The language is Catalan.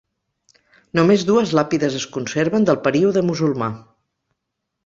Només dues làpides es conserven del període musulmà.